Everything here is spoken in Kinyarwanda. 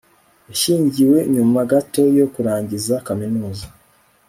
yashyingiwe nyuma gato yo kurangiza kaminuza